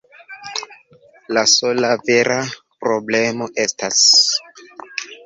La sola vera problemo estas...